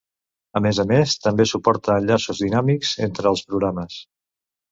A més a més, també suporta enllaços dinàmics entre els programes.